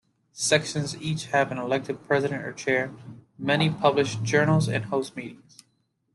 Sections each have an elected president or chair; many publish journals and host meetings.